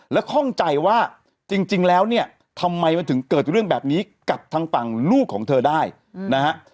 และข้องใจว่าจริงแล้วเนี่ยทำไมมันถึงเกิดเรื่องแบบนี้กับทางฝั่งลูกของเธอได้นะฮะ